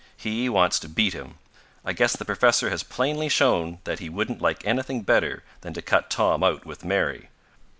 He wants to beat him. I guess the professor has plainly shown that he wouldn't like anything better than to cut Tom out with Mary.